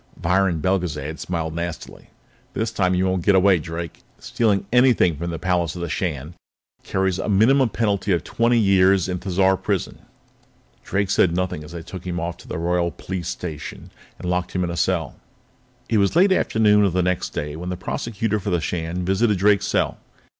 Viron Belgezad smiled nastily. "This time you won't get away, Drake! Stealing anything from the palace of the Shan carries a minimum penalty of twenty years in Thizar Prison." Drake said nothing as they took him off to the Royal Police Station and locked him in a cell. It was late afternoon of the next day when the Prosecutor for the Shan visited Drake's cell.